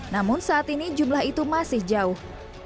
namun saat ini jumlah itu masih jauh